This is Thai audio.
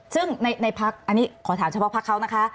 ซึ่งในพักอันนี้ขอถามเฉพาะพักเขานะคะ